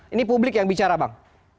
ini publik yang bicara bang